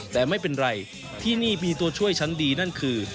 แต่ไม่เป็นไรที่นี่มีตัวช่วยชั้นดีนั่นคือ